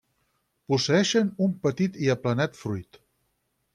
Posseeixen un petit i aplanat fruit.